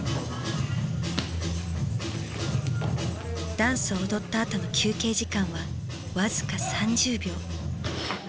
ダンスを踊ったあとの休憩時間は僅か３０秒。